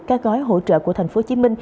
các gói hỗ trợ của tp hcm